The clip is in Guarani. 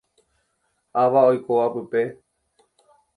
Ava oikóva pype.